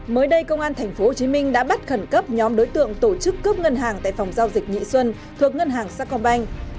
mới đây công an tp hcm đã bắt khẩn cấp nhóm đối tượng tổ chức cướp ngân hàng tại phòng giao dịch nhị xuân thuộc ngân hàng sacombank